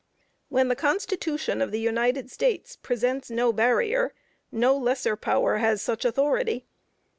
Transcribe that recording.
When the Constitution of the United States presents no barrier, no lesser power has such authority.